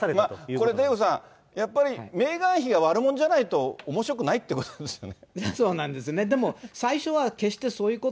これデーブさん、メーガン妃が悪者じゃないとおもしろくないということですね。